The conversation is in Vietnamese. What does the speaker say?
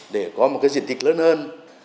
để có một cái diện tịch lớn hơn